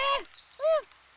うん！